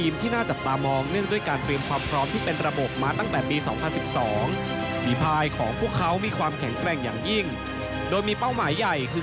มีแรงอย่างยิ่งโดยมีเป้าหมายใหญ่คือ